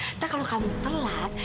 nanti kalau kamu telat